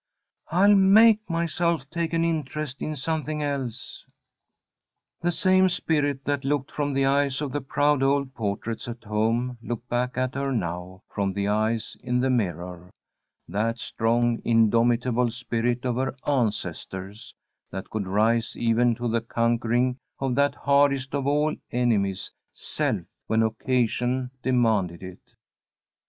I'll make myself take an interest in something else!" The same spirit that looked from the eyes of the proud old portraits at home looked back at her now from the eyes in the mirror that strong, indomitable spirit of her ancestors, that could rise even to the conquering of that hardest of all enemies, self, when occasion demanded it.